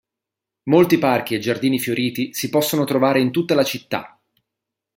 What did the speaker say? Molti parchi e giardini fioriti si possono trovare in tutta la città.